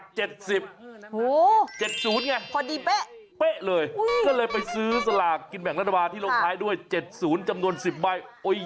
๗๐ไงพอดีเป๊ะเป๊ะเลยก็เลยไปซื้อสลากกินแบ่งรัฐบาลที่ลงท้ายด้วย๗๐จำนวน๑๐ใบ